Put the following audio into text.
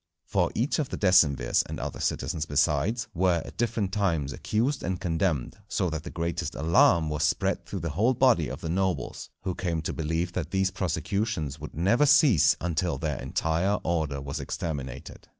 For each of the decemvirs, and other citizens besides, were at different times accused and condemned, so that the greatest alarm was spread through the whole body of the nobles, who came to believe that these prosecutions would never cease until their entire order was exterminated.